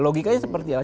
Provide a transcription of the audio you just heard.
logikanya seperti apa